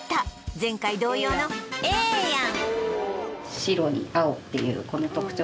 前回同様の「ええやん」